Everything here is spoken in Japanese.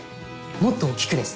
もっと大っきくです。